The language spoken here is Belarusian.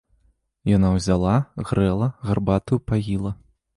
Яна ўзяла, грэла, гарбатаю паіла.